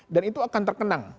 dan itu akan terkenang